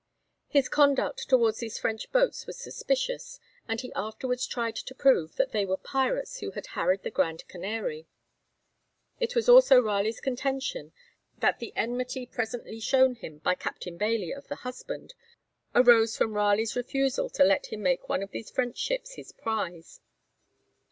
His conduct towards these French boats was suspicious, and he afterwards tried to prove that they were pirates who had harried the Grand Canary. It was also Raleigh's contention, that the enmity presently shown him by Captain Bailey, of the 'Husband,' arose from Raleigh's refusal to let him make one of these French ships his prize.